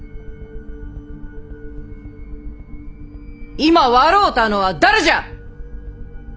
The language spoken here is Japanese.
今笑うたのは誰じゃ！